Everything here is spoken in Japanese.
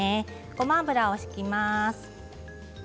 ごま油を引きます。